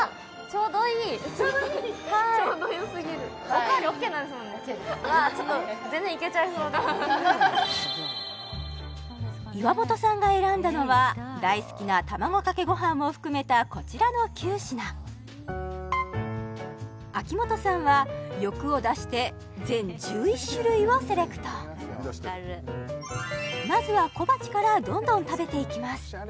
ちょうどよすぎるＯＫです岩本さんが選んだのは大好きな卵かけご飯を含めたこちらの９品秋元さんは欲を出して全１１種類をセレクトまずは小鉢からどんどん食べていきます